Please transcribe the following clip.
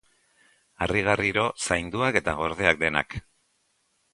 Harrigarriro zainduak eta gordeak denak.